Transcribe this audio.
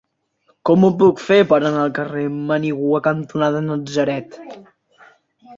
Com ho puc fer per anar al carrer Manigua cantonada Natzaret?